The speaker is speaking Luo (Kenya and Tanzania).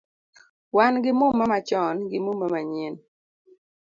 Wan gi muma machon gi muma manyien